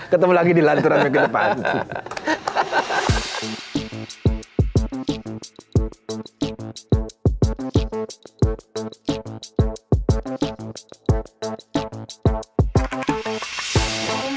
ketemu lagi di lanturan yang kedepan